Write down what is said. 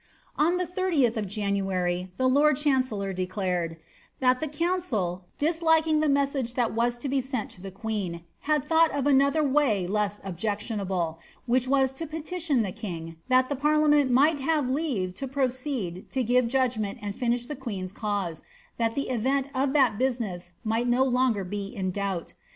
On the 30th of Jantiary the lord chancellor declared ^ that the coim cil, disliking the message that was to be sent to the queen, had thought of another way less objectionable, which was to petition the king, thai the parliament might have leave to proceed to give judgment and fioiflh the queen's cause, that the event of that business might no longer be in doubt.